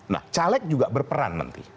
nah caleg juga berperan nanti